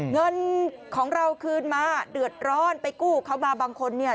เงินของเราคืนมาเดือดร้อนไปกู้เขามาบางคนเนี่ย